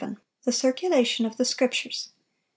THE CIRCULATION OF THE SCRIPTURES.